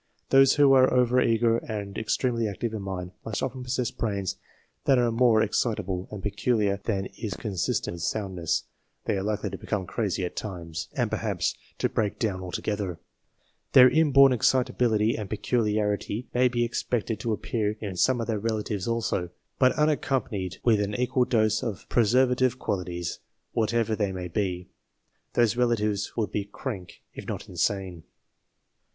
Those who are over eager and ex tremely active in mind must often possess brains that are more excitable and peculiar than is consistent with soundness. They are likely to become crazy at times, PREFATORY CHAPTER and perhaps to break down altogether. Their inborn excitability and peculiarity may be expected to appear in some of their relatives also, but unaccompanied with an equal dose of preservative qualities, whatever they may be. Those relatives would be "crank," if not insane.